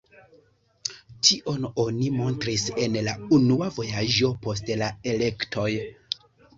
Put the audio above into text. Tion oni montris en la unua vojaĝo post la elektoj.